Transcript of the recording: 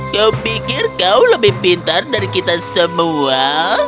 kau pikir kau lebih pintar dari kita semua